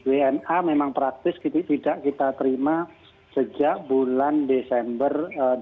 wna memang praktis tidak kita terima sejak bulan desember dua ribu dua puluh